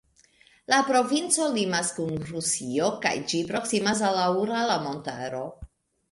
La provinco limas kun Rusio kaj ĝi proksimas al la Urala Montaro.